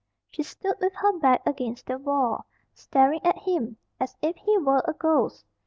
She stood with her back against the wall, staring at him as if he were a ghost.